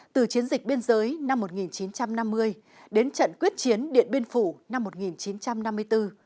từ chiến dịch biên giới năm một nghìn chín trăm năm mươi đến trận quyết chiến điện biên phủ năm một nghìn chín trăm năm mươi bốn